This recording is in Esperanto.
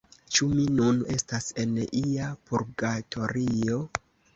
Ĉu mi nun estas en ia purgatorio?